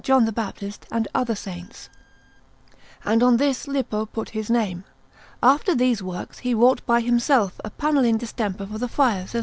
John the Baptist, and other Saints; and on this Lippo put his name. After these works he wrought by himself a panel in distemper for the Friars of S.